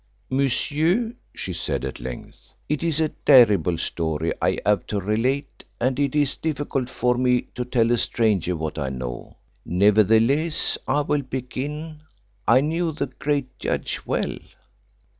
"Monsieur," she said at length, "it is a terrible story I have to relate, and it is difficult for me to tell a stranger what I know. Nevertheless, I will begin. I knew the great judge well."